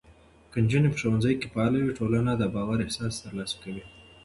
که نجونې په ښوونځي کې فعاله وي، ټولنه د باور احساس ترلاسه کوي.